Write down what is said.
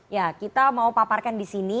ya kita mau paparkan di sini